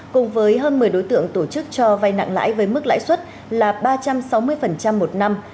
cùng với hơn một mươi đối tượng tổ chức cho vay nặng lãi với mức lãi suất là ba trăm sáu mươi một năm